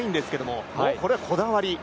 もう、これはこだわり。